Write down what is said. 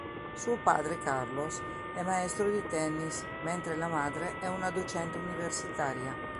Suo padre, Carlos, è maestro di tennis, mentre la madre è una docente universitaria.